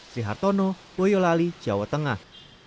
sri hartono boyolali jawa tengah